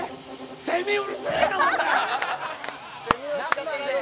セミうるせえ！